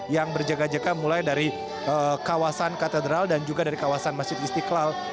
yang berjaga jaga mulai dari kawasan katedral dan juga dari kawasan masjid istiqlal